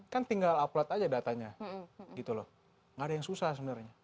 kan tinggal upload aja datanya gitu loh nggak ada yang susah sebenarnya